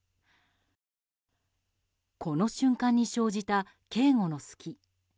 この瞬間に生じた警護の隙。